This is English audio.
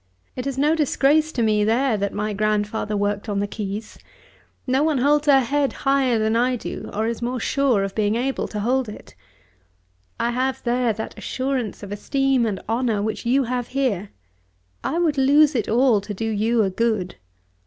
It is no disgrace to me there that my grandfather worked on the quays. No one holds her head higher than I do, or is more sure of being able to hold it. I have there that assurance of esteem and honour which you have here. I would lose it all to do you a good.